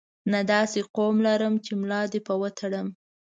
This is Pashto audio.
نه داسې قوم لرم چې ملا دې په وتړم.